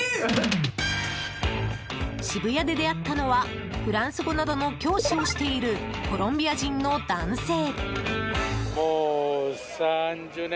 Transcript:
渋谷で出会ったのはフランス語などの教師をしているコロンビア人の男性。